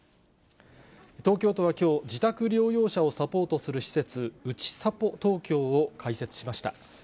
東京都はきょう、自宅療養者をサポートする施設、うちさぽ東京を開設しました。